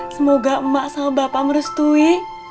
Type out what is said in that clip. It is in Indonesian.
semoga emak sama bapak merestui